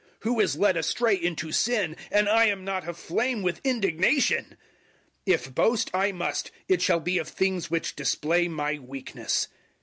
Who is led astray into sin, and I am not aflame with indignation? 011:030 If boast I must, it shall be of things which display my weakness.